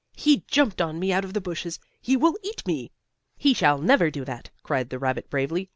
He jumped on me out of the bushes. He will eat me!" "He shall never do that!" cried the rabbit, bravely.